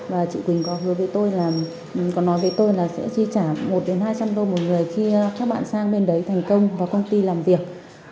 và chị quỳnh có nói với tôi là sẽ chi trả một hai trăm linh đô một người khi các bạn sang bên đấy thành công và công ty làm việc